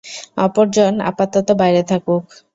অপরজন আপাতত বাইরে থাকুক।